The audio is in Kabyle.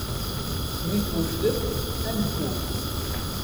Mi twejdem, ad neddu.